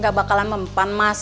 gak bakalan mempan mas